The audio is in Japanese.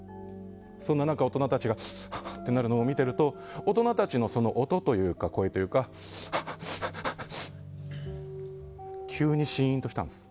そんな中、大人たちがこうなってるのを見ると大人たちの音というか声というかが急にシーンとしたんです。